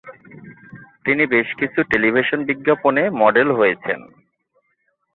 তিনি বেশ কিছু টেলিভিশন বিজ্ঞাপনে মডেল হয়েছেন।